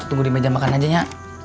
tunggu di meja makan aja ya